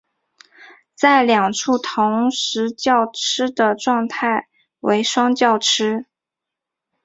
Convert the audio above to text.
在两处同时叫吃的状态为双叫吃。